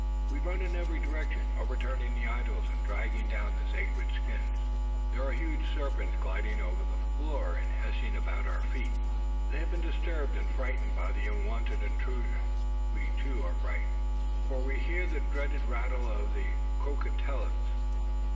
We run in every direction, overturning the idols and dragging down the sacred skins. There are huge serpents gliding over the floor, and hissing around our feet. They have been disturbed and frightened by the unwonted intrusion. We, too, are frightened, for we hear the dreaded rattle of the crotalus!